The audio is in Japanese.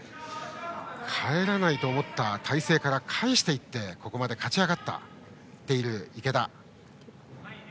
返らないと思った体勢から返していって、ここまで勝ち上がっている池田。